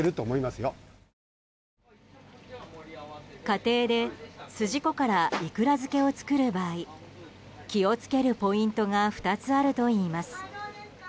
家庭で、すじこからイクラ漬けを作る場合気を付けるポイントが２つあるといいます。